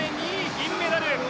銀メダル。